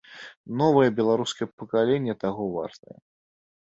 Новае беларускае пакаленне таго вартае.